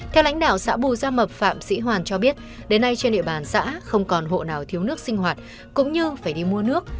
theo lãnh đạo xã bù gia mập phạm sĩ hoàn cho biết đến nay trên địa bàn xã không còn hộ nào thiếu nước sinh hoạt cũng như phải đi mua nước